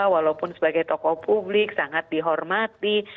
walaupun sebagai tokoh publik sangat dihormati